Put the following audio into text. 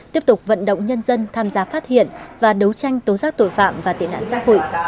tiếp tục vận động nhân dân tham gia phát hiện và đấu tranh tố giác tội phạm và tệ nạn xã hội